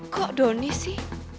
kok doni sih